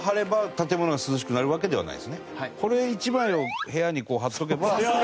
これ１枚を部屋にこう貼っておけば。